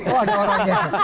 oh ada orangnya